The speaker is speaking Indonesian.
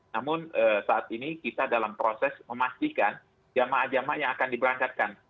namun saat ini kita dalam proses memastikan jemaah jamaah yang akan diberangkatkan